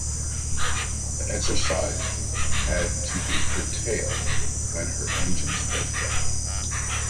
The exercise had to be curtailed when her engines broke down.